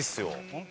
本当？